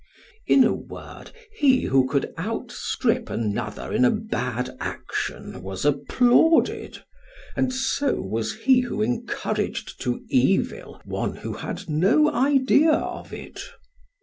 In a word, he who could outstrip another in a bad action was applauded, and so was he who encouraged to evil one who had no idea of it.